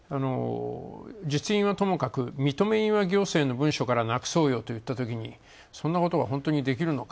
実印はともかく認印は行政の文章からなくそうよっていう、そんなことは本当にできるのか。